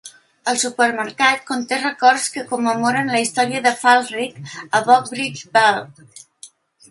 El supermercat conté records que commemoren la història de Falkirk a Brockville Park.